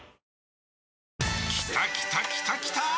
きたきたきたきたー！